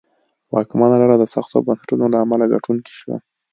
واکمنه ډله د سختو بنسټونو له امله ګټونکې شوه.